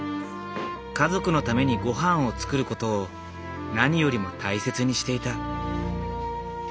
家族のためにごはんを作ることを何よりも大切にしていた。